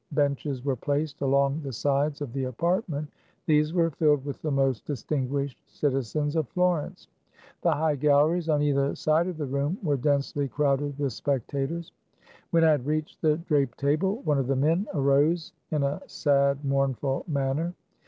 Benches were placed along the sides of the apartment. These were filled with the most distinguished citizens of Florence. The high galleries on either side of the room were densely crowded with spectators. When I had reached the draped table, one of the men arose in a sad, mournful manner.